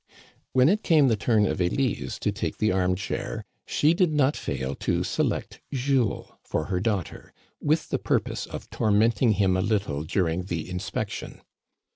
When it came the turn of Elise to take the arm chair, she did not fail to select Jules for her daughter, with the purpose of tormenting him a little during the inspection.